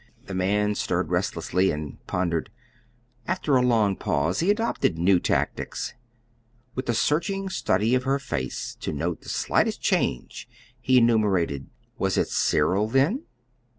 The man stirred restlessly and pondered. After a long pause he adopted new tactics. With a searching study of her face to note the slightest change, he enumerated: "Was it Cyril, then?